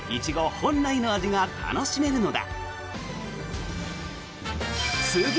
本来の味が楽しめるのだ。